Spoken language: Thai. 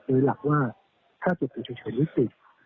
โดยหลักว่าถ้าเก็บตัวเฉยวิกษิต